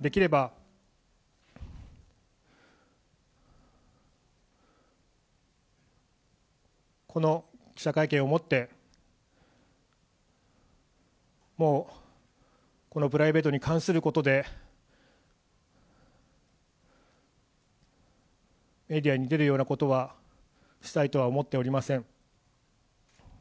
できれば、この記者会見をもって、もう、このプライベートに関することでメディアに出るようなことはしたいとは思っておりません。